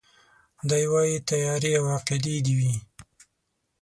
دی وايي تيارې او عقيدې دي وي